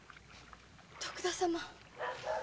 徳田様。